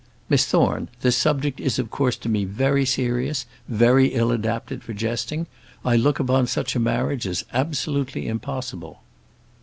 "Miss Thorne, this subject is of course to me very serious; very ill adapted for jesting. I look upon such a marriage as absolutely impossible."